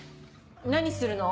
何するの？